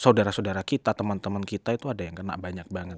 saudara saudara kita teman teman kita itu ada yang kena banyak banget